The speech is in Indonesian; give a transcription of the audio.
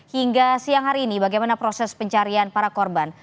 hingga siang hari ini bagaimana proses pencarian para korban